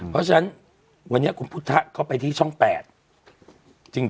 เพราะฉะนั้นวันนี้คุณพุทธเข้าไปที่ช่อง๘จริง